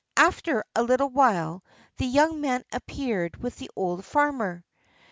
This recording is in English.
After a little while the young man appeared with the old farmer.